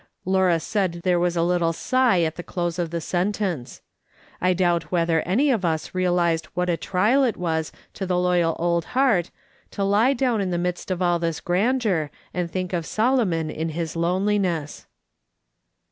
Laura said there was a little sigh at the close of the sentence. I doubt whether any of us realised what a trial it was to the loyal old heart to lie down in the midst of all this grandeur and think of Solo mon in his loneliness.